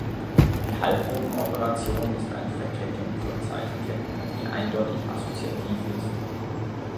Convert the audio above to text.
Die Halbgruppenoperation ist eine Verkettung von Zeichenketten, die eindeutig assoziativ ist.